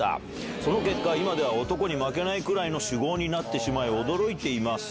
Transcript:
その結果、今では男に負けないくらいの酒豪になってしまい、驚いています。